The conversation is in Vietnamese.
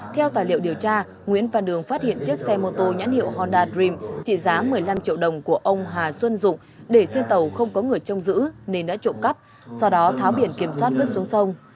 theo tài liệu điều tra nguyễn văn đường phát hiện chiếc xe mô tô nhãn hiệu honda dream trị giá một mươi năm triệu đồng của ông hà xuân dụng để trên tàu không có người trông giữ nên đã trộm cắp sau đó tháo biển kiểm soát vứt xuống sông